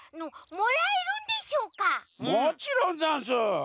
もちろんざんす！